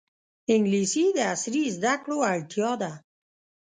انګلیسي د عصري زده کړو اړتیا ده